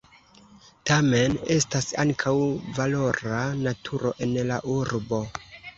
Tamen estas ankaŭ valora naturo en la urbo.